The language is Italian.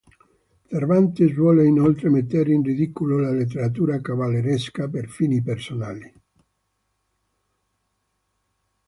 Cervantes vuole inoltre mettere in ridicolo la letteratura cavalleresca per fini personali.